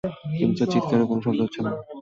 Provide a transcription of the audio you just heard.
কিন্তু তার চিৎকারেও কোনো শব্দ হচ্ছে না।